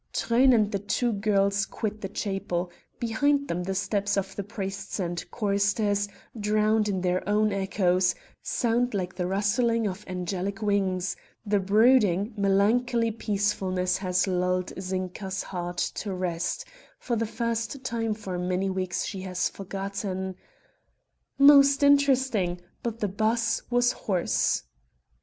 Truyn and the two girls quit the chapel; behind them the steps of the priests and choristers, drowned in their own echoes, sound like the rustling of angelic wings; the brooding, melancholy peacefulness has lulled Zinka's heart to rest; for the first time for many weeks she has forgotten.... "Most interesting, but the bass was hoarse!"